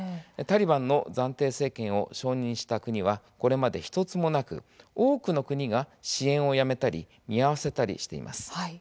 タリバンの暫定政権を承認した国はこれまで１つもなく多くの国が支援をやめたり見合わせたりしています。